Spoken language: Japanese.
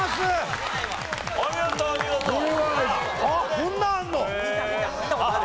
こんなのあるの！？